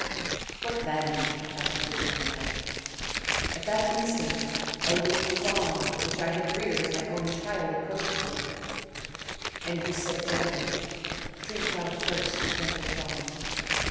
" What then ?" asked Dushyanta. " At that instant a little fawn which I had reared as my own child approached you, and you said gently, * Drink thou first, gentle fawn.'